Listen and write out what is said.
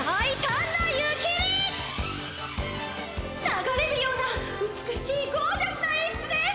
流れるような美しいゴージャスなえんしゅつです！